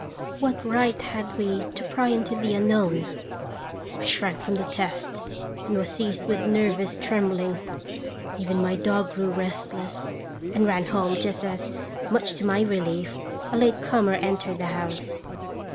What right had we to pry into the unknown ? I shrank from the test, and was seized with nervous trembling. Even my dog grew restless, and ran home just as, much to my relief, a late comer entered the house.